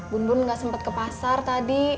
bun bun enggak sempet ke pasar tadi